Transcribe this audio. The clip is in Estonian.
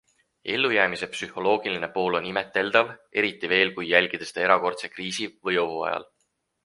Ellujäämise psühholoogiline pool on imeteldav, eriti veel, kui jälgida seda erakordse kriisi või ohu ajal.